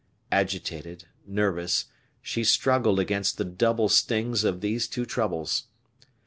Agitated, nervous, she struggled against the double stings of these two troubles.